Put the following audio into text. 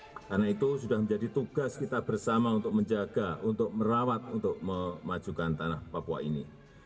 karena itu sudah menjadi tugas kita bersama untuk menjaga untuk merawat untuk memajukan tanah papua ini